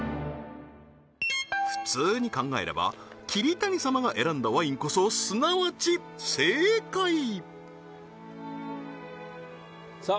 普通に考えれば桐谷様が選んだワインこそすなわち正解さあ